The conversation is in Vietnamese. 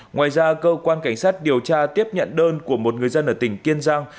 ngoài ra cơ quan cảnh sát điều tra tiếp nhận đơn của một người dân ở tỉnh kiên giang